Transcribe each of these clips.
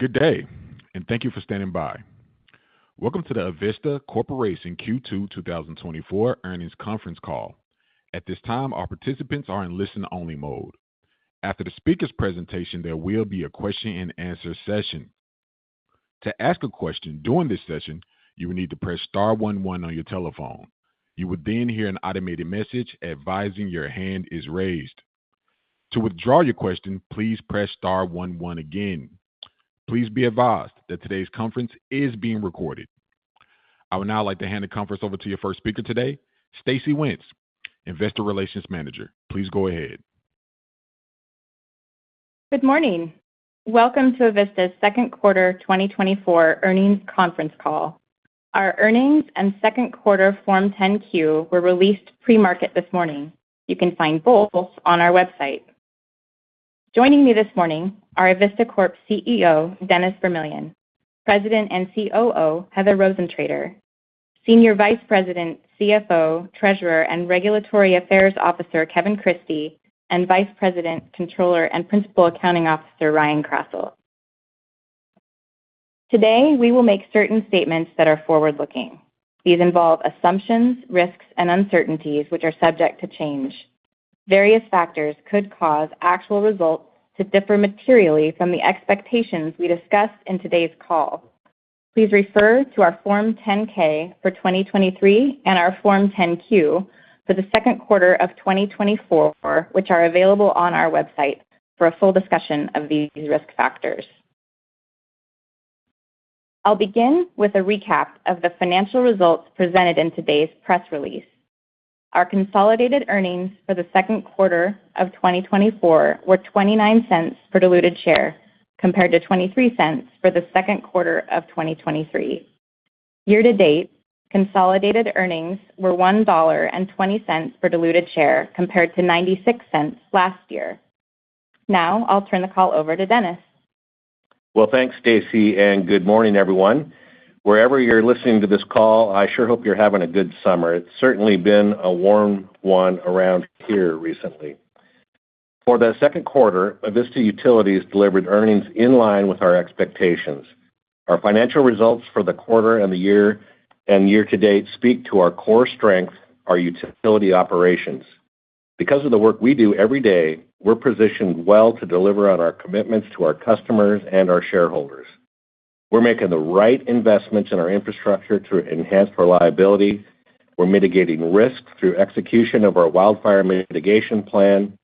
Good day, and thank you for standing by. Welcome to the Avista Corporation Q2 2024 Earnings Conference Call. At this time, our participants are in listen-only mode. After the speaker's presentation, there will be a question-and-answer session. To ask a question during this session, you will need to press star one one on your telephone. You will then hear an automated message advising your hand is raised. To withdraw your question, please press star one one again. Please be advised that today's conference is being recorded. I would now like to hand the conference over to your first speaker today, Stacey Wenz, Investor Relations Manager. Please go ahead. Good morning. Welcome to Avista's second quarter 2024 earnings conference call. Our earnings and second quarter Form 10-Q were released pre-market this morning. You can find both on our website. Joining me this morning are Avista Corp CEO, Dennis Vermillion, President and COO, Heather Rosentrater, Senior Vice President, CFO, Treasurer, and Regulatory Affairs Officer, Kevin Christie, and Vice President, Controller, and Principal Accounting Officer, Ryan Krasselt. Today, we will make certain statements that are forward-looking. These involve assumptions, risks, and uncertainties which are subject to change. Various factors could cause actual results to differ materially from the expectations we discuss in today's call. Please refer to our Form 10-K for 2023 and our Form 10-Q for the second quarter of 2024, which are available on our website for a full discussion of these risk factors. I'll begin with a recap of the financial results presented in today's press release. Our consolidated earnings for the second quarter of 2024 were $0.29 per diluted share, compared to $0.23 for the second quarter of 2023. Year to date, consolidated earnings were $1.20 per diluted share, compared to $0.96 last year. Now, I'll turn the call over to Dennis. Well, thanks, Stacy, and good morning, everyone. Wherever you're listening to this call, I sure hope you're having a good summer. It's certainly been a warm one around here recently. For the second quarter, Avista Utilities delivered earnings in line with our expectations. Our financial results for the quarter and the year and year to date speak to our core strength, our utility operations. Because of the work we do every day, we're positioned well to deliver on our commitments to our customers and our shareholders. We're making the right investments in our infrastructure to enhance reliability, we're mitigating risks through execution of our wildfire mitigation plan,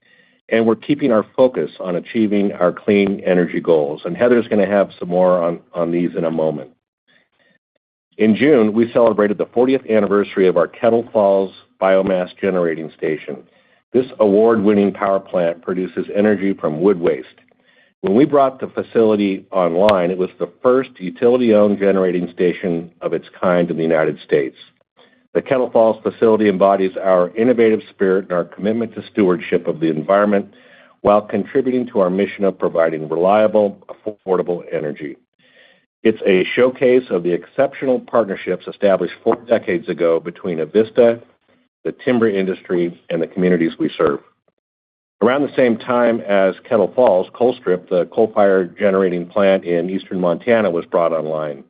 and we're keeping our focus on achieving our clean energy goals. Heather's going to have some more on these in a moment. In June, we celebrated the fortieth anniversary of our Kettle Falls Biomass Generating Station. This award-winning power plant produces energy from wood waste. When we brought the facility online, it was the first utility-owned generating station of its kind in the United States. The Kettle Falls facility embodies our innovative spirit and our commitment to stewardship of the environment while contributing to our mission of providing reliable, affordable energy. It's a showcase of the exceptional partnerships established four decades ago between Avista, the timber industry, and the communities we serve. Around the same time as Kettle Falls, Colstrip, the coal-fired generating plant in eastern Montana, was brought online.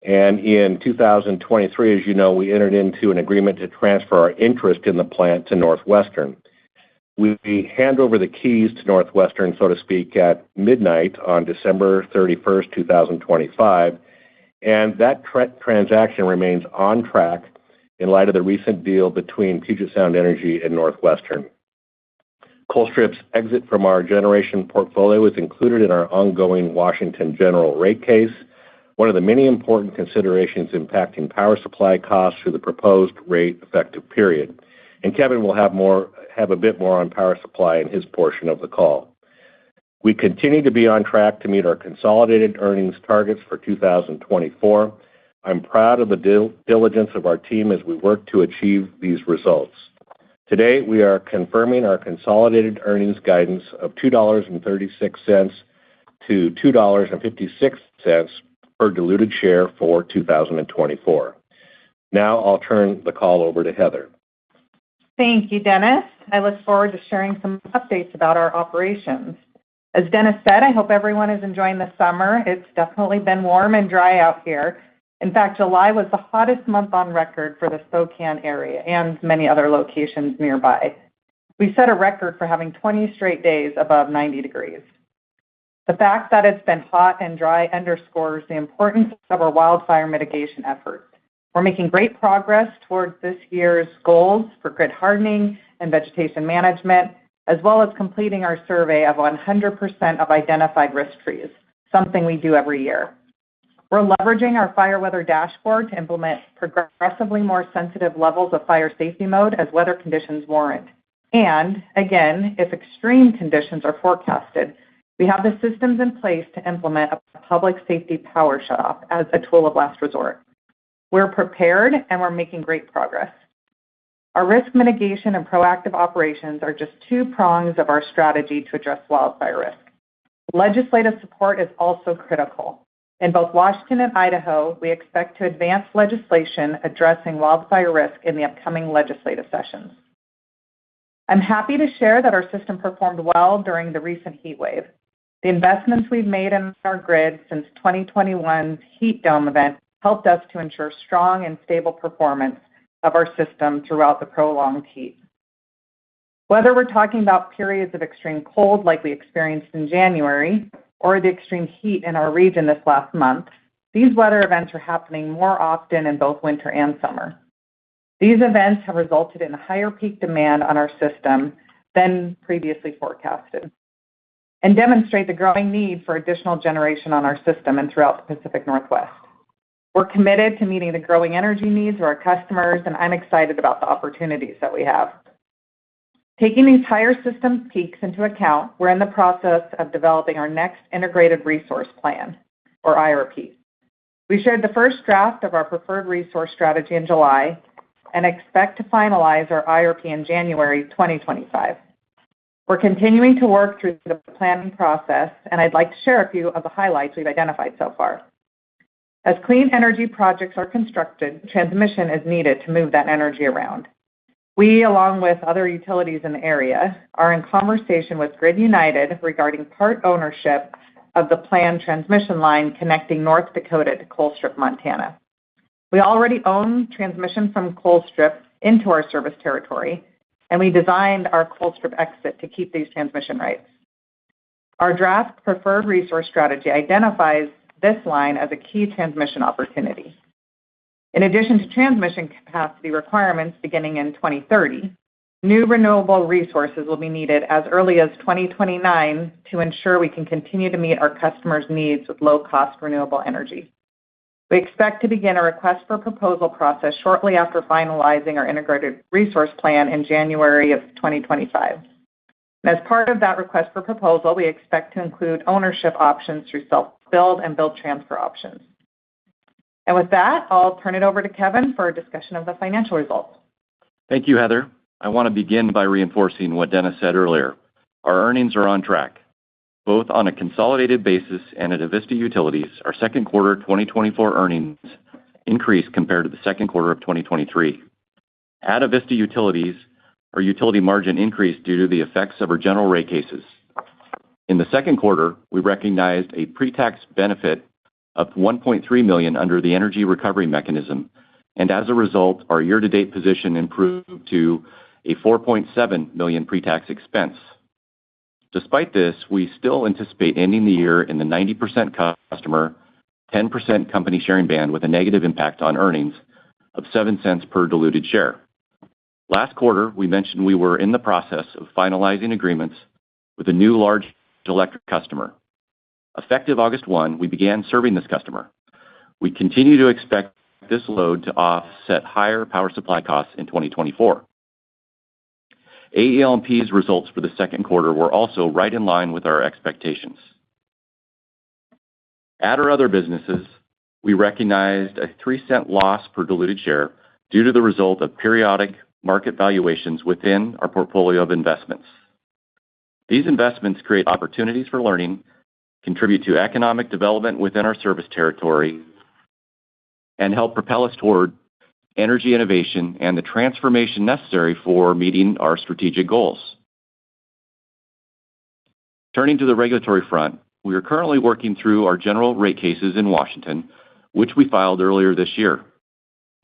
In 2023, as you know, we entered into an agreement to transfer our interest in the plant to NorthWestern. We hand over the keys to NorthWestern, so to speak, at midnight on December 31, 2025, and that transaction remains on track in light of the recent deal between Puget Sound Energy and NorthWestern. Colstrip's exit from our generation portfolio is included in our ongoing Washington General Rate Case, one of the many important considerations impacting power supply costs through the proposed rate effective period. Kevin will have more... have a bit more on power supply in his portion of the call. We continue to be on track to meet our consolidated earnings targets for 2024. I'm proud of the diligence of our team as we work to achieve these results. Today, we are confirming our consolidated earnings guidance of $2.36-$2.56 per diluted share for 2024. Now, I'll turn the call over to Heather. Thank you, Dennis. I look forward to sharing some updates about our operations. As Dennis said, I hope everyone is enjoying the summer. It's definitely been warm and dry out here. In fact, July was the hottest month on record for the Spokane area and many other locations nearby. We set a record for having 20 straight days above 90 degrees. The fact that it's been hot and dry underscores the importance of our wildfire mitigation efforts. We're making great progress towards this year's goals for grid hardening and vegetation management, as well as completing our survey of 100% of identified risk trees, something we do every year. We're leveraging our Fire Weather Dashboard to implement progressively more sensitive levels of fire safety mode as weather conditions warrant. Again, if extreme conditions are forecasted, we have the systems in place to implement a Public Safety Power Shutoff as a tool of last resort. We're prepared and we're making great progress. Our risk mitigation and proactive operations are just two prongs of our strategy to address wildfire risk. Legislative support is also critical. In both Washington and Idaho, we expect to advance legislation addressing wildfire risk in the upcoming legislative sessions. I'm happy to share that our system performed well during the recent heat wave. The investments we've made in our grid since 2021's heat dome event helped us to ensure strong and stable performance of our system throughout the prolonged heat. Whether we're talking about periods of extreme cold like we experienced in January, or the extreme heat in our region this last month, these weather events are happening more often in both winter and summer. These events have resulted in a higher peak demand on our system than previously forecasted, and demonstrate the growing need for additional generation on our system and throughout the Pacific Northwest. We're committed to meeting the growing energy needs of our customers, and I'm excited about the opportunities that we have. Taking these higher system peaks into account, we're in the process of developing our next Integrated Resource Plan, or IRP. We shared the first draft of our preferred resource strategy in July, and expect to finalize our IRP in January 2025. We're continuing to work through the planning process, and I'd like to share a few of the highlights we've identified so far. As clean energy projects are constructed, transmission is needed to move that energy around. We, along with other utilities in the area, are in conversation with Grid United regarding part ownership of the planned transmission line connecting North Dakota to Colstrip, Montana. We already own transmission from Colstrip into our service territory, and we designed our Colstrip exit to keep these transmission rights. Our draft preferred resource strategy identifies this line as a key transmission opportunity. In addition to transmission capacity requirements beginning in 2030, new renewable resources will be needed as early as 2029 to ensure we can continue to meet our customers' needs with low-cost, renewable energy. We expect to begin a request for proposal process shortly after finalizing our Integrated Resource Plan, in January of 2025. As part of that request for proposal, we expect to include ownership options through self-build and build-transfer options. With that, I'll turn it over to Kevin for a discussion of the financial results. Thank you, Heather. I want to begin by reinforcing what Dennis said earlier. Our earnings are on track, both on a consolidated basis and at Avista Utilities, our second quarter 2024 earnings increased compared to the second quarter of 2023. At Avista Utilities, our utility margin increased due to the effects of our general rate cases. In the second quarter, we recognized a pre-tax benefit of $1.3 million under the Energy Recovery Mechanism, and as a result, our year-to-date position improved to a $4.7 million pre-tax expense. Despite this, we still anticipate ending the year in the 90% customer, 10% company sharing band with a negative impact on earnings of $0.07 per diluted share. Last quarter, we mentioned we were in the process of finalizing agreements with a new large electric customer. Effective August 1, we began serving this customer. We continue to expect this load to offset higher power supply costs in 2024. AEL&P's results for the second quarter were also right in line with our expectations. At our other businesses, we recognized a $0.03 loss per diluted share due to the result of periodic market valuations within our portfolio of investments. These investments create opportunities for learning, contribute to economic development within our service territory, and help propel us toward energy innovation and the transformation necessary for meeting our strategic goals. Turning to the regulatory front, we are currently working through our general rate cases in Washington, which we filed earlier this year.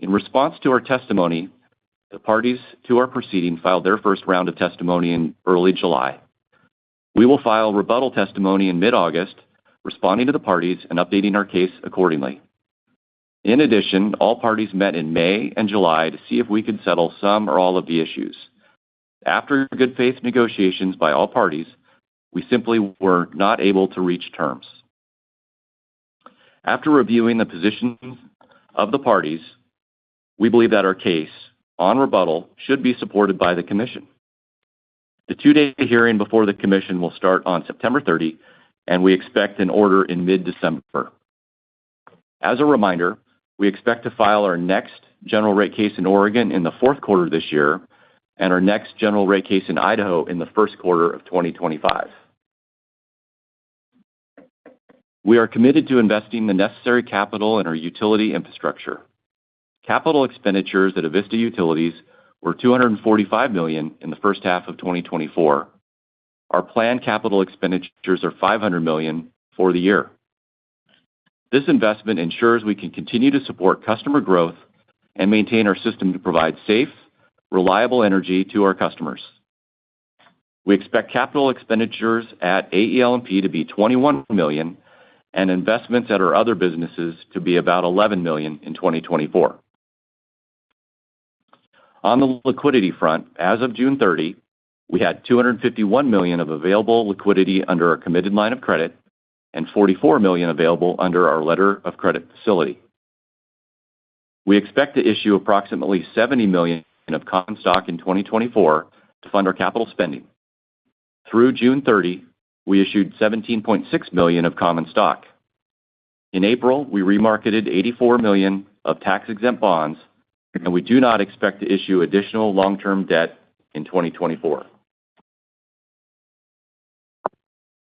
In response to our testimony, the parties to our proceeding filed their first round of testimony in early July. We will file rebuttal testimony in mid-August, responding to the parties and updating our case accordingly. In addition, all parties met in May and July to see if we could settle some or all of the issues. After good faith negotiations by all parties, we simply were not able to reach terms. After reviewing the positions of the parties, we believe that our case on rebuttal should be supported by the commission. The two-day hearing before the commission will start on September 30, and we expect an order in mid-December. As a reminder, we expect to file our next general rate case in Oregon in the fourth quarter of this year, and our next general rate case in Idaho in the first quarter of 2025. We are committed to investing the necessary capital in our utility infrastructure. Capital expenditures at Avista Utilities were $245 million in the first half of 2024. Our planned capital expenditures are $500 million for the year. This investment ensures we can continue to support customer growth and maintain our system to provide safe, reliable energy to our customers. We expect capital expenditures at AEL&P to be $21 million, and investments at our other businesses to be about $11 million in 2024. On the liquidity front, as of June 30, we had $251 million of available liquidity under a committed line of credit and $44 million available under our letter of credit facility. We expect to issue approximately $70 million of common stock in 2024 to fund our capital spending. Through June 30, we issued $17.6 million of common stock. In April, we remarketed $84 million of tax-exempt bonds, and we do not expect to issue additional long-term debt in 2024....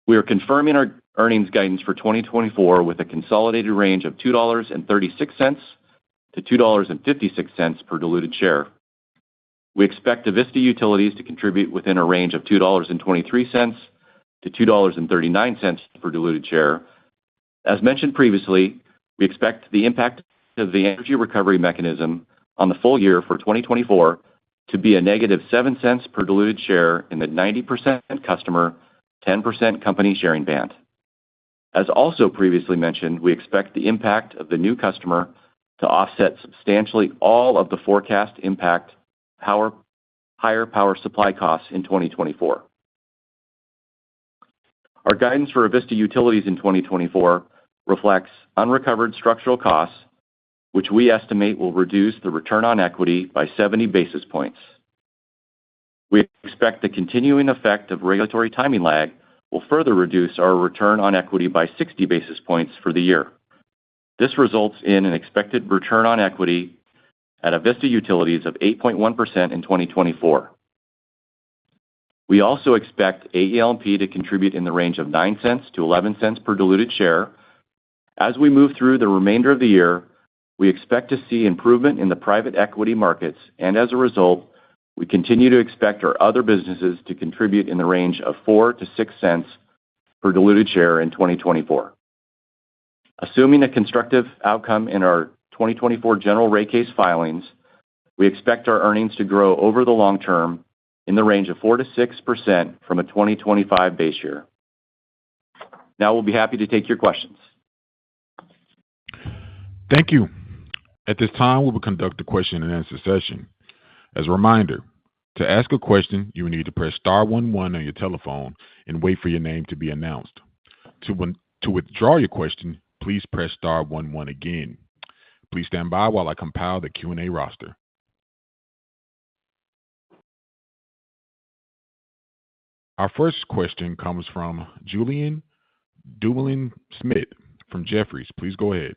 We are confirming our earnings guidance for 2024 with a consolidated range of $2.36-$2.56 per diluted share. We expect Avista Utilities to contribute within a range of $2.23-$2.39 per diluted share. As mentioned previously, we expect the impact of the energy recovery mechanism on the full year for 2024 to be -$0.07 per diluted share in the 90% customer, 10% company sharing band. As also previously mentioned, we expect the impact of the new customer to offset substantially all of the forecast impact power - higher power supply costs in 2024. Our guidance for Avista Utilities in 2024 reflects unrecovered structural costs, which we estimate will reduce the return on equity by 70 basis points. We expect the continuing effect of regulatory timing lag will further reduce our return on equity by 60 basis points for the year. This results in an expected return on equity at Avista Utilities of 8.1% in 2024. We also expect AEL&P to contribute in the range of $0.09-$0.11 per diluted share. As we move through the remainder of the year, we expect to see improvement in the private equity markets, and as a result, we continue to expect our other businesses to contribute in the range of $0.04-$0.06 per diluted share in 2024. Assuming a constructive outcome in our 2024 general rate case filings, we expect our earnings to grow over the long term in the range of 4%-6% from a 2025 base year. Now, we'll be happy to take your questions. Thank you. At this time, we will conduct a question-and-answer session. As a reminder, to ask a question, you will need to press star one one on your telephone and wait for your name to be announced. To withdraw your question, please press star one one again. Please stand by while I compile the Q&A roster. Our first question comes from Julian Dumoulin-Smith from Jefferies. Please go ahead.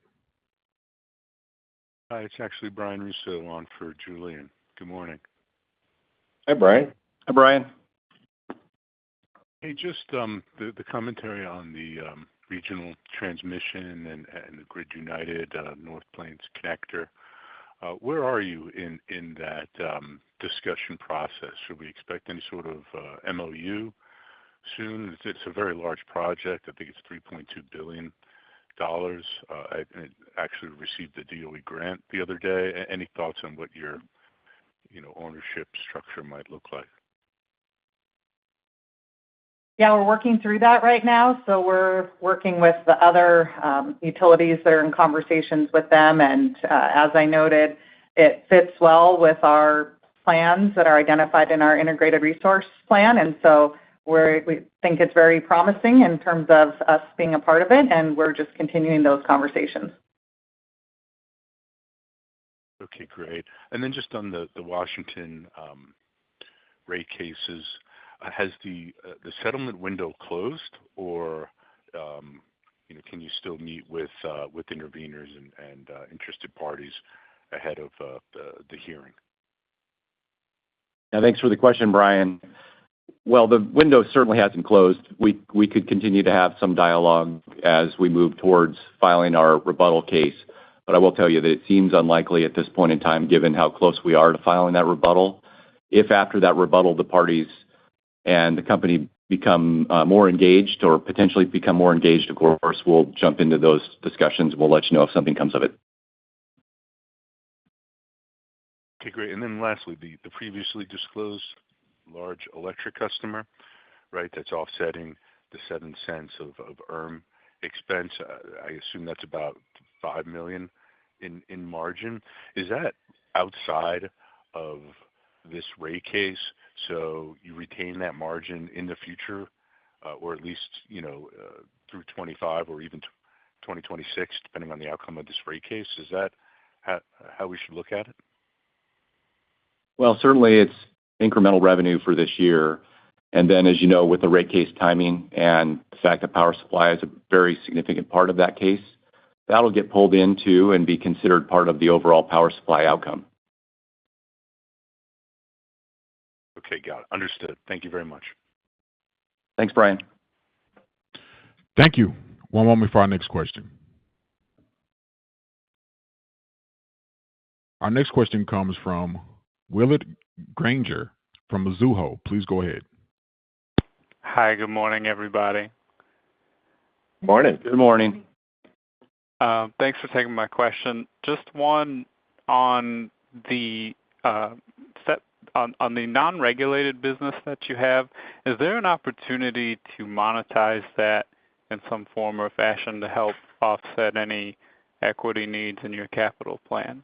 Hi, it's actually Brian Russo on for Julian. Good morning. Hi, Brian. Hi, Brian. Hey, just the commentary on the regional transmission and the Grid United North Plains Connector. Where are you in that discussion process? Should we expect any sort of MOU soon? It's a very large project. I think it's $3.2 billion. It actually received a DOE grant the other day. Any thoughts on what your, you know, ownership structure might look like? Yeah, we're working through that right now. So we're working with the other utilities that are in conversations with them. And, as I noted, it fits well with our plans that are identified in our Integrated Resource Plan. And so we think it's very promising in terms of us being a part of it, and we're just continuing those conversations. Okay, great. And then just on the Washington rate cases, has the settlement window closed or, you know, can you still meet with interveners and interested parties ahead of the hearing? Yeah, thanks for the question, Brian. Well, the window certainly hasn't closed. We could continue to have some dialogue as we move towards filing our rebuttal case, but I will tell you that it seems unlikely at this point in time, given how close we are to filing that rebuttal. If after that rebuttal, the parties and the company become more engaged or potentially become more engaged, of course, we'll jump into those discussions. We'll let you know if something comes of it. Okay, great. Then lastly, the previously disclosed large electric customer, right? That's offsetting the $0.07 of ERM expense. I assume that's about $5 million in margin. Is that outside of this rate case, so you retain that margin in the future, or at least, you know, through 2025 or even 2026, depending on the outcome of this rate case? Is that how we should look at it? Well, certainly it's incremental revenue for this year, and then, as you know, with the rate case timing and the fact that power supply is a very significant part of that case, that'll get pulled into and be considered part of the overall power supply outcome. Okay, got it. Understood. Thank you very much. Thanks, Brian. Thank you. One moment before our next question. Our next question comes from Willard Granger from Mizuho. Please go ahead. Hi, good morning, everybody. Morning. Good morning. Thanks for taking my question. Just one on the non-regulated business that you have, is there an opportunity to monetize that in some form or fashion to help offset any equity needs in your capital plan?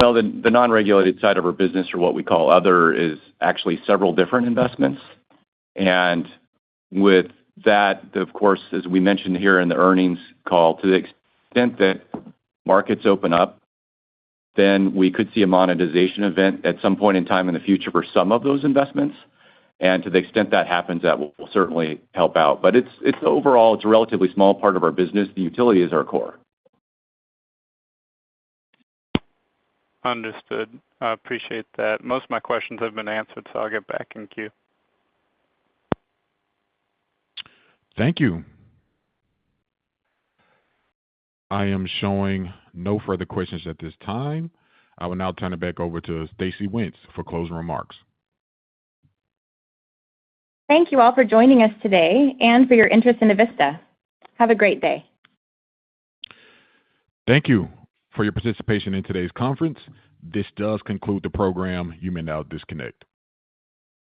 Well, the non-regulated side of our business, or what we call other, is actually several different investments. And with that, of course, as we mentioned here in the earnings call, to the extent that markets open up, then we could see a monetization event at some point in time in the future for some of those investments. And to the extent that happens, that will certainly help out. But it's overall, it's a relatively small part of our business. The utility is our core. Understood. I appreciate that. Most of my questions have been answered, so I'll get back in queue. Thank you. I am showing no further questions at this time. I will now turn it back over to Stacy Wenz for closing remarks. Thank you all for joining us today and for your interest in Avista. Have a great day. Thank you for your participation in today's conference. This does conclude the program. You may now disconnect.